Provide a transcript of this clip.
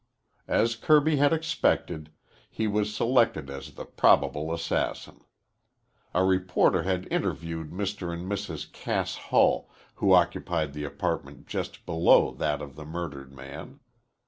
As Kirby had expected, he was selected as the probable assassin. A reporter had interviewed Mr. and Mrs. Cass Hull, who occupied the apartment just below that of the murdered man.